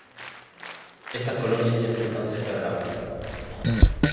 Estas colonias siempre están cerca del agua.